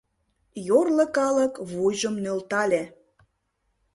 Йорло калык вуйжым нӧлтале.